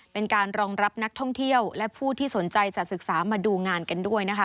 เป็นการรองรับนักท่องเที่ยวและผู้ที่สนใจจะศึกษามาดูงานกันด้วยนะคะ